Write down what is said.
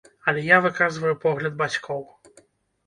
Але я выказваю погляд бацькоў.